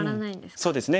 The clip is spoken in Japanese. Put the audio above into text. そうですね。